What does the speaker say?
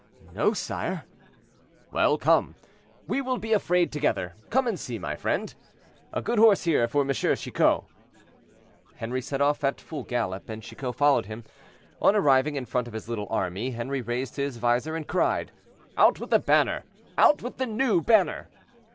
"No, sire." "Well, come, we will be afraid together; come and see, my friend. A good horse here, for M. Chicot." Henri set off at full gallop, and Chicot followed him. On arriving in front of his little army, Henri raised his visor, and cried: "Out with the banner! out with the new banner!"